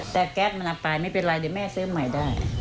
แต่แก๊สมันเอาไปไม่เป็นไรเดี๋ยวแม่ซื้อใหม่ได้